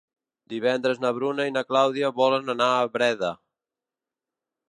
Divendres na Bruna i na Clàudia volen anar a Breda.